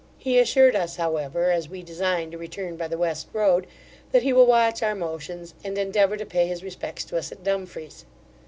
He assured us, however, as we design to return by the west road, that he will watch our motions, and endeavour to pay his respects to us at Dumfries.